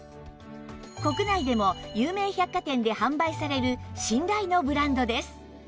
国内でも有名百貨店で販売される信頼のブランドです